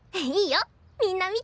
みんな見てて。